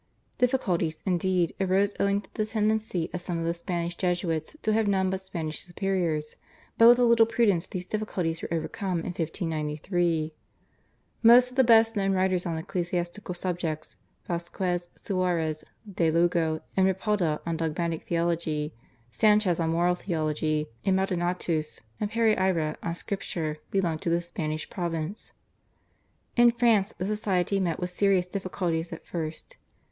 Difficulties, indeed, arose owing to the tendency of some of the Spanish Jesuits to have none but Spanish superiors, but with a little prudence these difficulties were overcome in 1593. Most of the best known writers on ecclesiastical subjects, Vasquez, Suarez, De Lugo, and Ripalda on Dogmatic Theology, Sanchez on Moral Theology, and Maldonatus and Pereira on Scripture belonged to the Spanish province. In France the society met with serious difficulties at first.